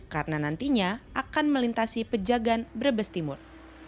karena nantinya akan melintasi pejagan brebes timur